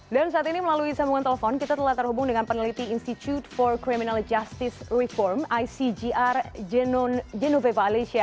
dan saat ini melalui sambungan telepon kita telah terhubung dengan peneliti institute for criminal justice reform icgr jenon genoveva alicia